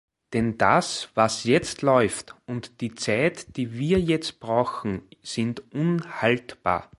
Denn das, was jetzt läuft, und die Zeit, die wir jetzt brauchen, sind unhaltbar.